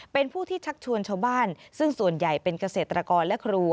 เป็นผู้ที่ชักชวนชาวบ้านซึ่งส่วนใหญ่เป็นเกษตรกรและครู